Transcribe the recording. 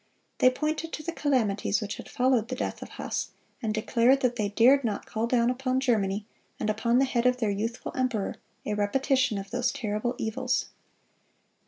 They pointed to the calamities which had followed the death of Huss, and declared that they dared not call down upon Germany, and upon the head of their youthful emperor, a repetition of those terrible evils.